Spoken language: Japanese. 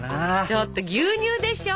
ちょっと牛乳でしょ。